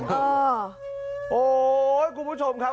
สวัสดีทุกคน